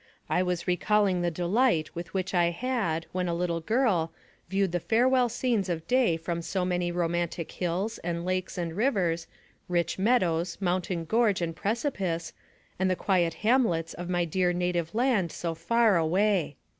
I was recalling the delight with which I had, when a little girl, viewed the farewell scenes of day from so many romantic hills, and lakes, and rivers, rich meadows, mountain gorge and precipice, and the quiet hamlets of my dear native land so far away.